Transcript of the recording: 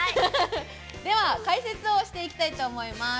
では解説をしていきたいと思います。